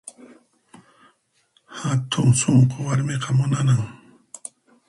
Hatun sunqu warmiqa munanan